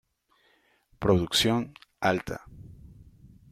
Producción alta.